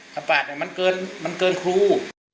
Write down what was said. ปาดไหนมันเกินครู